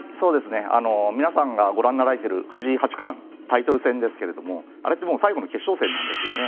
皆さんがご覧になられている藤井八冠タイトル戦ですけどもあれってもう最後の決勝戦なんですよね。